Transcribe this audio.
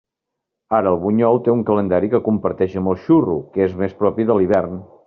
Ara el bunyol té un calendari que comparteix amb el xurro, que és més propi de l'hivern.